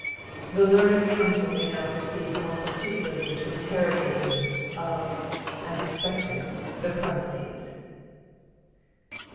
The learned counsel may now proceed more particularly to interrogate me of and respecting the premises."